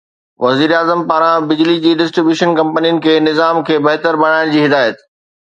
وزيراعظم پاران بجلي جي ڊسٽري بيوشن ڪمپنين کي نظام کي بهتر بڻائڻ جي هدايت